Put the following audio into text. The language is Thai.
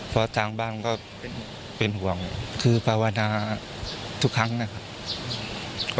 เพราะทางบ้านก็เป็นห่วงคือภาวนาทุกครั้งนะครับ